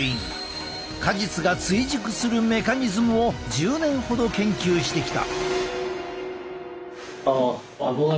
果実が追熟するメカニズムを１０年ほど研究してきた。